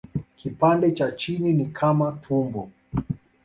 Kipande cha chini ni kama tumbo.